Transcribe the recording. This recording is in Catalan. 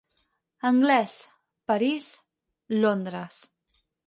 Anglès, París, Londres.